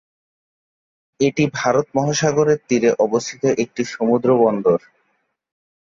এটি ভারত মহাসাগরের তীরে অবস্থিত একটি সমুদ্র বন্দর।